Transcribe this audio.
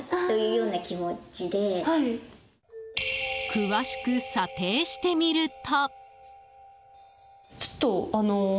詳しく査定してみると。